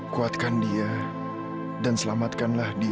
kuatkan dia dan selamatkanlah dia